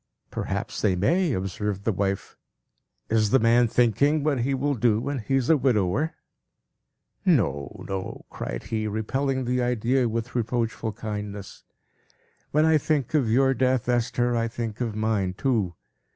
"Perhaps they may," observed the wife. "Is the man thinking what he will do when he is a widower?" "No, no!" cried he, repelling the idea with reproachful kindness. "When I think of your death, Esther, I think of mine, too.